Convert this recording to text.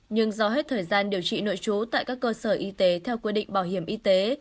nhưng do hết thời gian điều trị nội trú tại các cơ sở y tế theo quy định bảo hiểm y tế